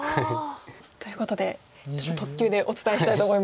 ということでちょっと特急でお伝えしたいと思います。